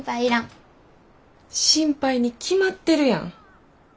心配に決まってるやん。